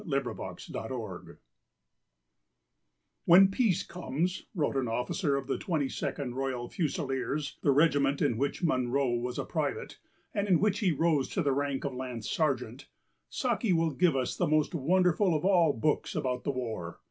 ixHECTOR HUGH MUNRO "When peace comes," wrote an officer of the 22nd Royal Fusiliers, the regiment in which Munro was a private and in which he rose to the rank of lance sergeant, "Saki will give us the most wonderful of all the books about the war."